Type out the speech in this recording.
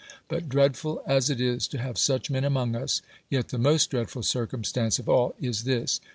But dreadful as it is to have such men among us, yet the most dreadful circumstance of all is this.